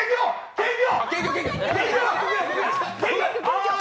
検挙！